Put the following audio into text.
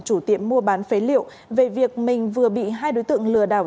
chủ tiệm mua bán phế liệu về việc mình vừa bị hai đối tượng lừa đảo